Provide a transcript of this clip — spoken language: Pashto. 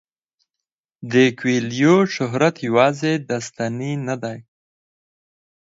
د کویلیو شهرت یوازې داستاني نه دی.